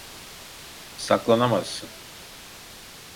Saklanamazsın.